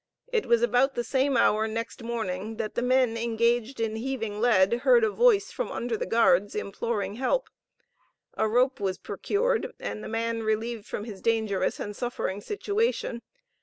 It was about the same hour next morning that the men engaged in heaving lead, heard a voice from under the guards imploring help. A rope was procured, and the man relieved from his dangerous and suffering situation.